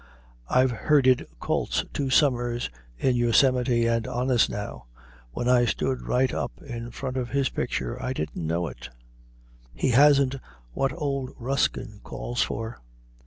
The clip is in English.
"I've herded colts two summers in Yosemite, and honest now, when I stood right up in front of his picture, I didn't know it. "He hasn't what old Ruskin calls for."